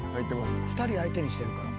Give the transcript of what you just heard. ２人相手にしてるから。